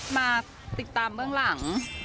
มาติดตามเบื้องหลัง